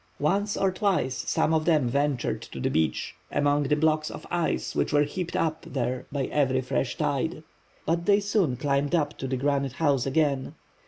Once or twice some of them ventured to the beach, among the blocks of ice which were heaped up there by every fresh tide. But they soon climbed up to Granite House again.